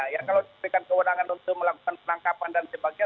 ya kalau diberikan kewenangan untuk melakukan penangkapan dan sebagainya